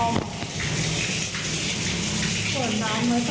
มันนี่เอากุญแจมาล้อมมันนี่อ่ะ